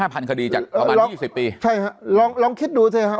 ๔๕พันคดีจากประมาณ๒๐ปีใช่ลองคิดดูซิฮะ